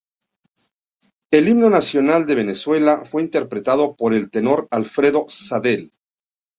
El himno nacional de Venezuela fue interpretado por el tenor Alfredo Sadel.